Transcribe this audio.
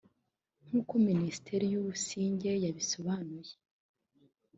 nk’uko Minisitiri Busingye yabisobanuye